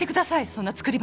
そんな作り話。